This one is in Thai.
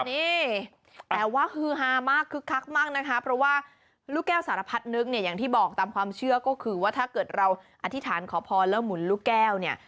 นี่แต่ว่าฮือฮามากคึกคักมากนะคะเพราะว่าลูกแก้วสารพัดนึกเนี่ยอย่างที่บอกตามความเชื่อก็คือว่าถ้าเกิดเราอธิษฐานขอพรแล้วหมุนลูกแก้วเนี่ย